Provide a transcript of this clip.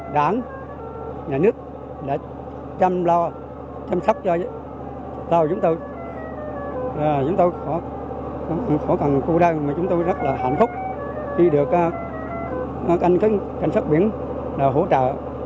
tàu chúng tôi khổ càng cô đơn chúng tôi rất là hạnh phúc khi được cảnh sát biển hỗ trợ